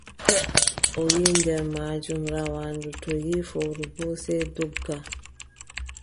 A yiʼi nder maajum, rawaandu too yiʼi fowru boo, sey dogga.